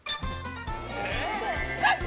えっ！？